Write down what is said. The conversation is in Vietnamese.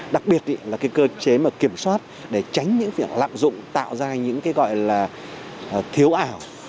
đặc biệt là cái cơ chế mà kiểm soát để tránh những việc lạm dụng tạo ra những cái gọi là thiếu ảo